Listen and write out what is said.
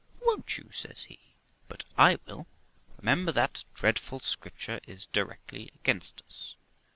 ' Won't you ?' says he ;' but I will. Remember that dreadful Scripture is directly against us.